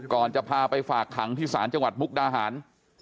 จะพาไปฝากขังที่ศาลจังหวัดมุกดาหาร